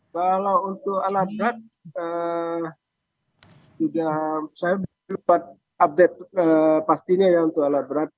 kalau untuk alat berat saya belum dapat update pastinya ya untuk alat berat